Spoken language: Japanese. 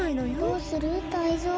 どうするタイゾウ？